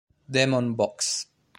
Demon Box